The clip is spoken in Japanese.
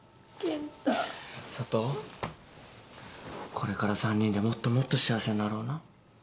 これから３人でもっともっと幸せになろうな。